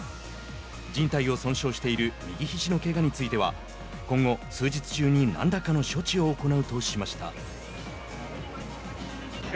じん帯を損傷している右ひじのけがについては今後、数日中に何らかの処置を行うとしました。